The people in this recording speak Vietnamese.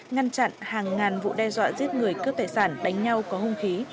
ngăn chặn hàng ngàn vụ đe dọa giết người cướp tài sản đánh nhau có hung khí